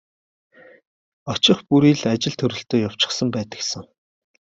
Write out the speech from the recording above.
Очих бүрий л ажил төрөлтэй явчихсан байдаг сан.